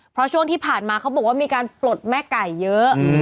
เพราะช่วงที่ผ่านมาเขาบอกว่ามีการปลดแม่ไก่เยอะ